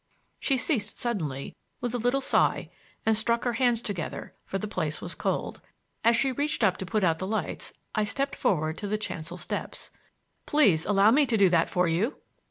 She ceased suddenly with a little sigh and struck her hands together, for the place was cold. As she reached up to put out the lights I stepped forward to the chancel steps. "Please allow me to do that for you?"